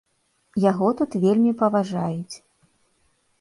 Яго тут вельмі паважаюць.